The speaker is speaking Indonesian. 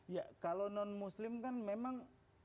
ya kalau non muslim kan memang